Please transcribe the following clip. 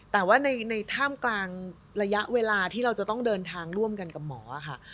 แต่ว่าในท่ามกลางระยะเวลาที่เราจะต้องเดินทางร่วมกันกับหมอค่ะ